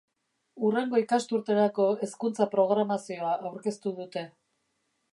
Hurrengo ikasturterako hezkuntza-programazioa aurkeztu dute.